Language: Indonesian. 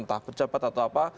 entah pejabat atau apa